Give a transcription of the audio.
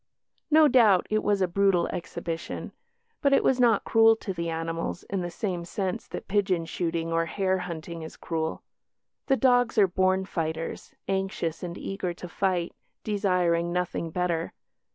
No doubt it was a brutal exhibition. But it was not cruel to the animals in the same sense that pigeon shooting or hare hunting is cruel. The dogs are born fighters, anxious and eager to fight, desiring nothing better.